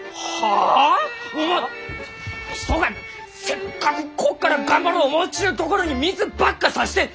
おまん人がせっかくこっから頑張ろう思うちゅうところに水ばっかさして！